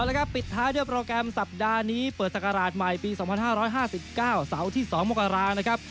แล้วครับปิดท้ายด้วยโปรแกรมสัปดาห์นี้เปิดศักราชใหม่ปี๒๕๕๙เสาร์ที่๒มกรานะครับ